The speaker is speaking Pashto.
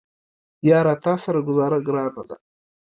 یاره تاسره ګوزاره ګرانه ده